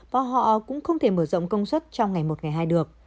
và họ cũng không thể mở rộng công suất trong ngày một ngày hai được